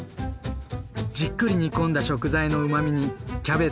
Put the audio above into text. じっくり煮込んだ食材のうまみにキャベツの優しい酸味。